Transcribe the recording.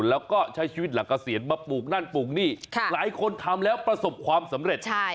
แล้วก็ใช้ชีวิตหลักเกษียณมาปลูกนั่นปลูกนี่หลายคนทำแล้วประสบความสำเร็จ